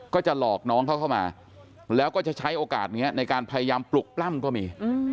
ก็จะหลอกน้องเขาเข้ามาแล้วก็จะใช้โอกาสนี้ในการพยายามปลุกปล้ำก็มี